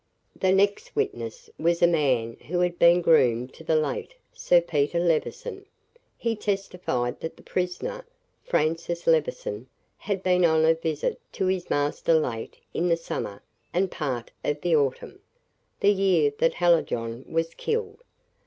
The next witness was a man who had been groom to the late Sir Peter Levison. He testified that the prisoner, Francis Levison had been on a visit to his master late in the summer and part of the autumn, the year that Hallijohn was killed.